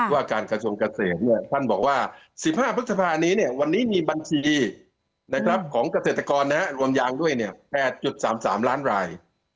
ว่าการกระทรวงเกษตรท่านบอกว่า๑๕พฤษภานี้วันนี้มีบัญชีของเกษตรกรรวมยางด้วย๘๓๓ล้านราย